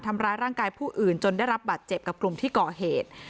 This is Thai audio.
ทำร้ายร่างกายผู้อื่นจนได้รับบัตรเจ็บกับกลุ่มที่ก่อเหตุ